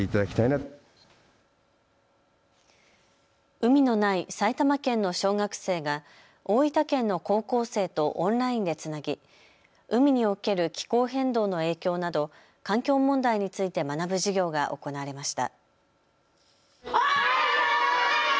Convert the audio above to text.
海のない埼玉県の小学生が大分県の高校生とオンラインでつなぎ海における気候変動の影響など環境問題について学ぶ授業が行われました。